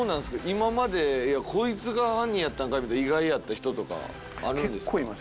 今までこいつが犯人やったんかい意外やった人とかあるんですか？